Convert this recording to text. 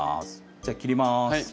じゃあ切ります。